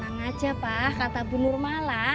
tenang aja pak kata bu nurmala